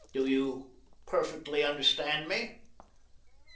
Do you perfectly understand me?"